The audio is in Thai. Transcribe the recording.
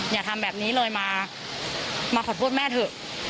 อย่าทำแบบนี้เลยมาขอโทษแม่เถอะ